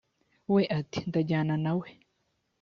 we ati ndajyana na we i